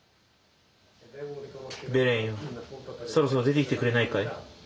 ベレンよそろそろ出てきてくれないかい。